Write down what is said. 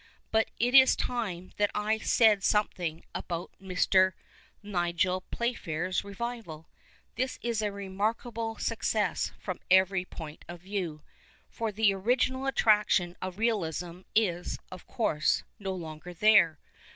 But it is time that I said something about Mr. Nigel Playfair's re^'ival. This is a remarkable success, from every point of view. For the original attraction of realism is, of course, no longer there.